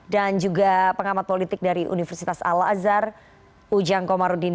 juga pengamat politik dari universitas al azhar ujang komarudin